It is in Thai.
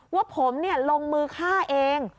ว่าผมลงมือฆ่าเอง